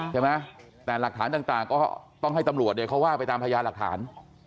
ใช่ไหมแต่หลักฐานต่างก็ต้องให้ตำรวจเนี่ยเขาว่าไปตามพยานหลักฐาน